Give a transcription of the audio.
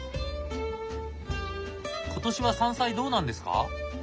今年は山菜どうなんですか？